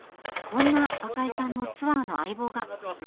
こんな若井さんのツアーの相棒が。